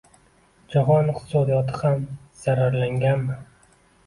Jahon iqtisodiyoti ham zararlanganmi?